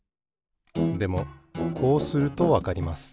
でもこうするとわかります。